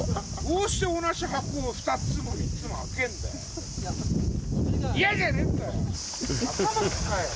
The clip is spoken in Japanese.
どうして同じ箱を２つも３つも開けるんだよ。